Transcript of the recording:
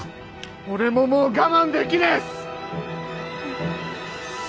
俺ももう我慢できねえっす！